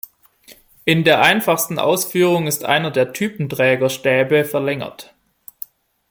In der einfachsten Ausführung ist einer der Typenträger-Stäbe verlängert.